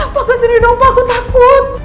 pak kesini dong pak aku takut